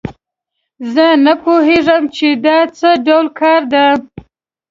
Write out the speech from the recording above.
زه نه پوهیږم چې دا څه ډول کار ده